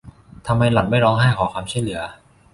ทำไมหล่อนไม่ร้องไห้ขอความช่วยเหลือ ?